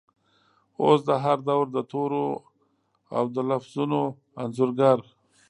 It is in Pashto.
اوس د هردور دتورو ،اودلفظونو انځورګر،